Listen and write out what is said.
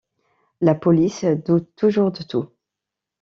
La Police doute toujours de tout.